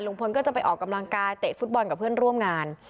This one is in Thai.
พลก็จะไปออกกำลังกายเตะฟุตบอลกับเพื่อนร่วมงาน